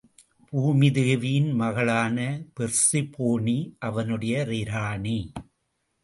பூமி தேவியின் மகளான பெர்சிபோனி அவனுடைய இராணி.